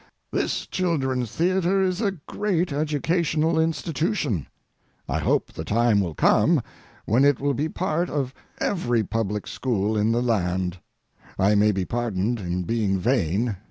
This Children's Theatre is a great educational institution. I hope the time will come when it will be part of every public school in the land. I may be pardoned in being vain.